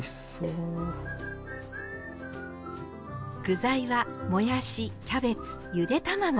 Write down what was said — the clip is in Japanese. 具材はもやしキャベツゆで卵。